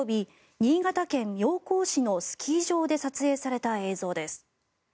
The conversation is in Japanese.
新潟県妙高市のスキー場で撮影された映像です。